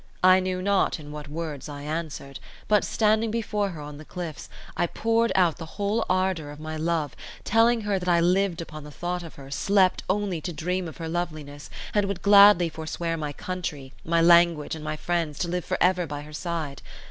I know not in what words I answered; but, standing before her on the cliffs, I poured out the whole ardour of my love, telling her that I lived upon the thought of her, slept only to dream of her loveliness, and would gladly forswear my country, my language, and my friends, to live for ever by her side.